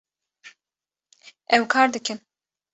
Ew kar dikin